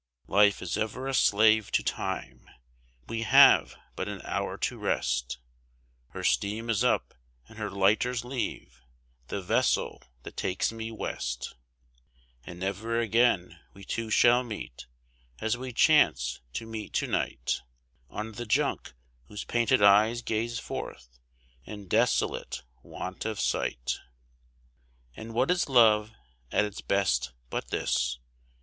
Life is ever a slave to Time; we have but an hour to rest, Her steam is up and her lighters leave, the vessel that takes me west; And never again we two shall meet, as we chance to meet to night, On the Junk, whose painted eyes gaze forth, in desolate want of sight. And what is love at its best, but this?